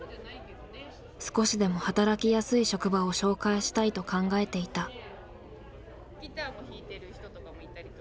少しでも働きやすい職場を紹介したいと考えていた。